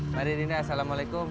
mari rina assalamualaikum